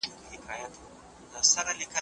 څنګه لوی سوداګر وچه میوه ترکیې ته لیږدوي؟